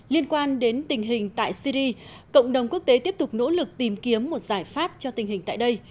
liên quan đến tình hình tại syri cộng đồng quốc tế tiếp tục nỗ lực tìm kiếm một giải pháp cho tình hình tại đây